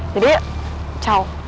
jadi yuk cow